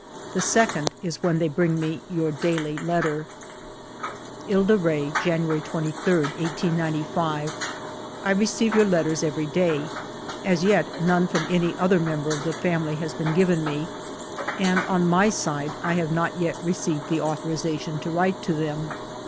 The second is when they bring me your dally letter." ...*< Ile de Re, January 23, 1895. " I receive your letters every day. As yet none from any other member of the family has been given me, and, on my side, I have not yet received the authorization to write to them.